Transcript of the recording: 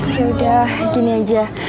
yaudah gini aja